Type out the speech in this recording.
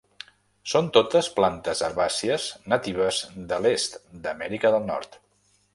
Són totes plantes herbàcies natives de l'est d'Amèrica del Nord.